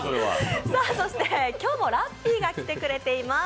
そして今日もラッピーが来てくれてます。